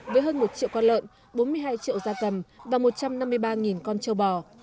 với hơn một triệu con lợn bốn mươi hai triệu da cầm và một trăm năm mươi ba con châu bò